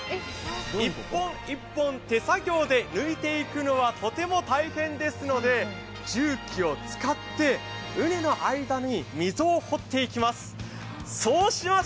１本１本手作業で抜いていくのはとても大変ですので、重機を使って、うねの間に溝を掘っていきます。